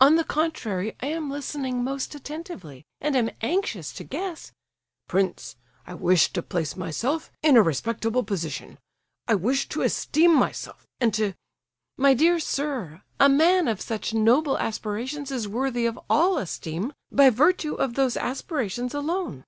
On the contrary, I am listening most attentively, and am anxious to guess—" "Prince, I wish to place myself in a respectable position—I wish to esteem myself—and to—" "My dear sir, a man of such noble aspirations is worthy of all esteem by virtue of those aspirations alone."